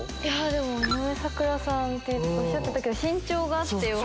井上咲楽さんっておっしゃってたけど身長がって。